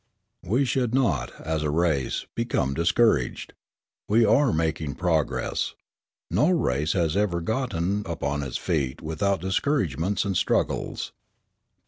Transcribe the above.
We should not, as a race, become discouraged. We are making progress. No race has ever gotten upon its feet without discouragements and struggles.